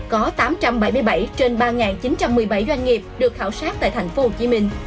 có tám trăm bảy mươi bảy trên ba chín trăm một mươi bảy doanh nghiệp được khảo sát tại tp hcm